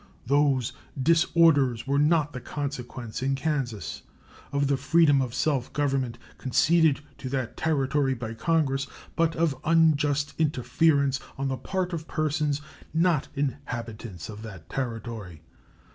Those disorders were not the consequence, in Kansas, of the freedom of self government conceded to that Territory by Congress, but of unjust interference on the part of persons not inhabitants of the Territory.